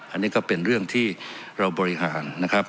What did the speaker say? อันนี้ก็เป็นเรื่องที่เราบริหารนะครับ